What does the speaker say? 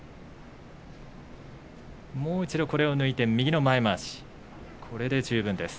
もう一度これを抜いて右の前まわし、これで十分です。